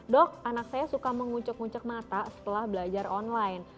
dok anak saya suka menguncuk uncek mata setelah belajar online